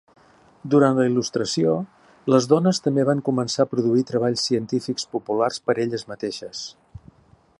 Durant la Il·lustració, les dones també van començar a produir treballs científics populars per elles mateixes.